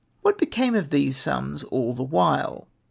What became of these sums all the while